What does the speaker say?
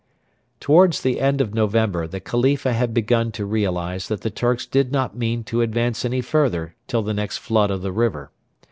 Towards the end of November the Khalifa had begun to realise that the Turks did not mean to advance any further till the next flood of the river.